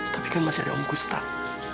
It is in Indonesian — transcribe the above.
tapi kan masih ada om kustal